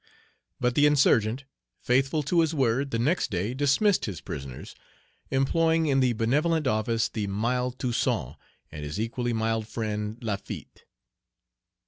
But the insurgent, faithful to his word, the next day dismissed his prisoners, employing in the benevolent office the mild Toussaint, and his equally mild friend, Lafitte.